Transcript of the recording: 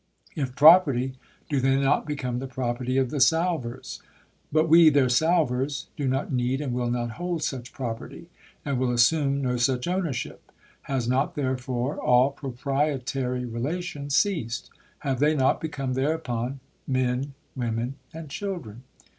.. If property, do they not become the property of the salvors ? But we, their salvors, do not need and will not hold such property, and wiU assume no such ownership; has not, therefore, all proprietary relation ceased ? Have they not become, thereupon, men, women, and children